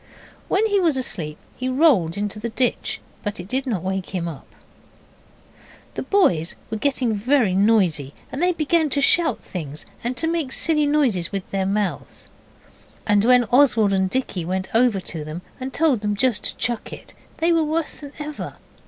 When he was asleep he rolled into the ditch, but it did not wake him up. The boys were getting very noisy, and they began to shout things, and to make silly noises with their mouths, and when Oswald and Dicky went over to them and told them to just chuck it, they were worse than ever.